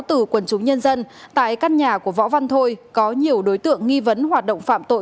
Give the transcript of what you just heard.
từ quần chúng nhân dân tại căn nhà của võ văn thôi có nhiều đối tượng nghi vấn hoạt động phạm tội